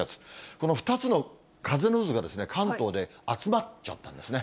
この２つの風の渦が関東で集まっちゃったんですね。